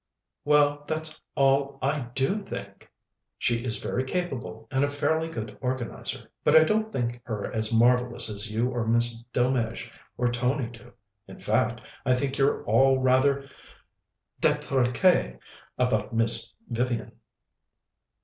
"Well, that's all I do think. She is very capable, and a fairly good organizer, but I don't think her as marvellous as you or Miss Delmege or Tony do. In fact, I think you're all rather détraquées about Miss Vivian."